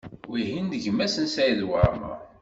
Wihin d gma-s n Saɛid Waɛmaṛ.